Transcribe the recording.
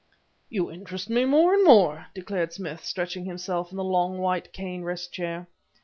"You interest me more and more," declared Smith, stretching himself in the long, white cane rest chair.